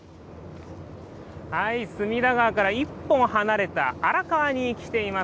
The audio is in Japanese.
隅田川から１本離れた荒川に来ています。